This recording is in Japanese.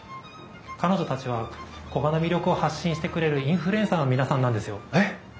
彼女たちは古河の魅力を発信してくれるインフルエンサーの皆さんなんですよ。えっ！